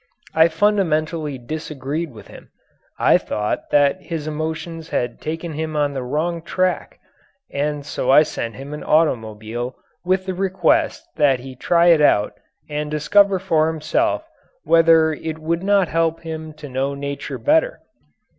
I fundamentally disagreed with him. I thought that his emotions had taken him on the wrong tack and so I sent him an automobile with the request that he try it out and discover for himself whether it would not help him to know nature better.